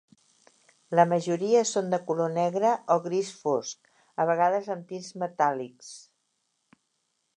La majoria són de color negre o gris fosc, a vegades amb tints metàl·lics.